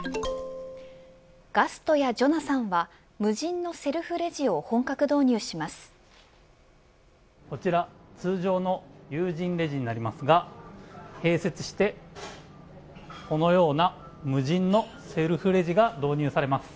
ガストやジョナサンが無人のセルフレジをこちら通常の有人のレジになりますが併設してこのような無人のセルフレジが導入されます。